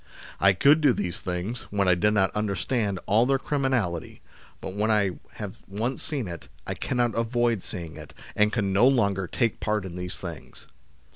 " I could do these things : when I did not understand all their criminality, but when I i2 4 THE SLAVERY OF OUR TIMES have once seen it, I cannot avoid seeing it, and can no longer take part in these things.